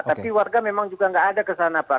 tapi warga memang juga nggak ada ke sana pak